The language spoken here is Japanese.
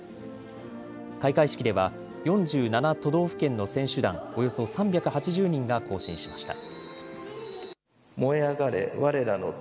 開会式では４７都道府県の選手団、およそ３８０人が行進しました。